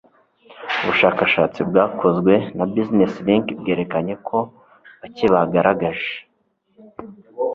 Ubushakashatsi bwakozwe na Business Link bwerekanye ko bake bagaragaje